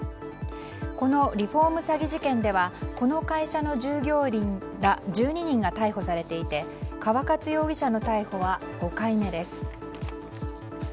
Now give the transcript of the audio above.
このリフォーム詐欺事件ではこの会社の従業員ら１２人が逮捕されていて川勝容疑者の逮捕は５回目です。